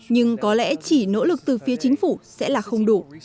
nhưng có lẽ chỉ nỗ lực từ phía chính phủ sẽ là không đủ